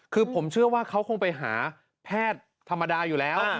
คือผมเชื่อว่าเขาคงไปหาแพทย์ธรรมดาอยู่แล้ว